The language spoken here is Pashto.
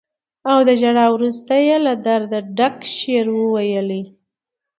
او له ژړا وروسته یې له درده ډک شعر وويلې.